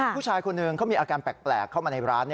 ผู้ชายคนหนึ่งเขามีอาการแปลกเข้ามาในร้าน